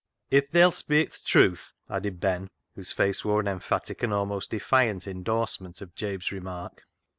" If they'll speik th' truth," added Ben, whose face wore an emphatic and almost defiant in dorsement of Jabe's remark.